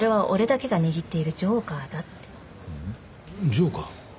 ジョーカー？